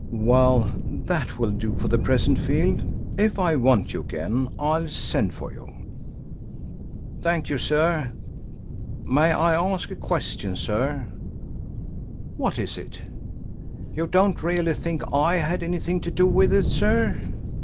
"Well, that will do for the present, Field. If I want you again I'll send for you." "Thank you, sir. May I ask a question, sir?" "What is it?" "You don't really think I had anything to do with it, sir?"